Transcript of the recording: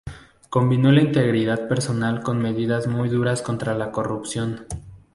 Combinó la integridad personal con medidas muy duras contra la corrupción.